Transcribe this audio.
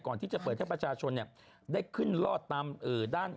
ก่อนที่จะเปิดให้ประชาชนได้ขึ้นรอดตามด้าน